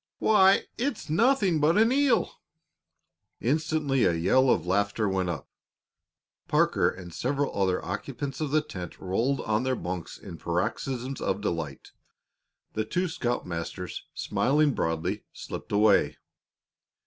"Why, it's nothing but an eel!" Instantly a yell of laughter went up. Parker and several other occupants of the tent rolled on their bunks in paroxysms of delight. The two scoutmasters, smiling broadly, slipped away.